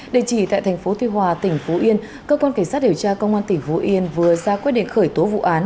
địa chỉ tại thành phố tuy hòa tỉnh phú yên cơ quan cảnh sát điều tra công an tỉnh phú yên vừa ra quyết định khởi tố vụ án